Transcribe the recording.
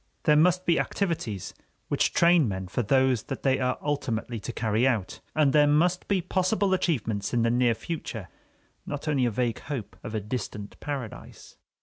There must be activities which train men for those that they are ultimately to carry out, and there must be possible achievements in the near future, not only a vague hope of a distant paradise.